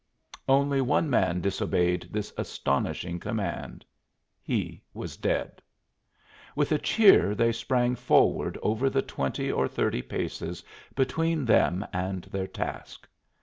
Only one man disobeyed this astonishing command! He was dead. With a cheer they sprang forward over the twenty or thirty paces between them and their task.